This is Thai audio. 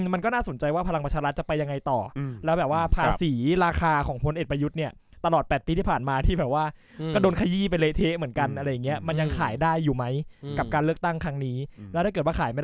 มันก็ต้องหาทางที่เขาจะได้ไปต่อได้